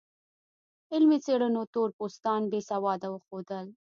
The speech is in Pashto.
علمي څېړنو تور پوستان بې سواده وښودل.